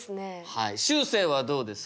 はいしゅうせいはどうですか？